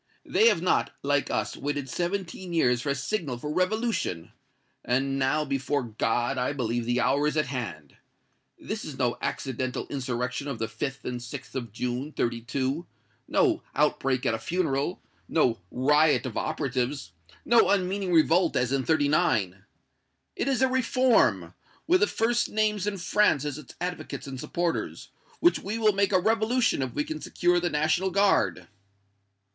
They have not, like us, waited seventeen years for a signal for revolution; and now, before God, I believe the hour is at hand! This is no accidental insurrection of the 5th and 6th of June, '32 no outbreak at a funeral no riot of operatives no unmeaning revolt, as in '39. It is a reform, with the first names in France as its advocates and supporters, which we will make a revolution if we can secure the National Guard."